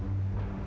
benar ya tante